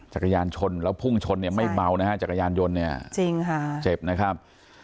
จักรยานชนแล้วพุ่งชนไม่เบานะฮะจักรยานยนต์เนี่ยเจ็บนะครับ